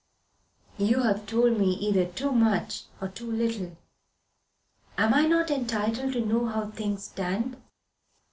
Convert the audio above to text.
"You've dold me either too much or too little. Am I not entitled to know how things stand?"